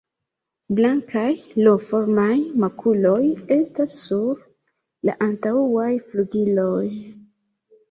Blankaj L-formaj makuloj estas sur la antaŭaj flugiloj.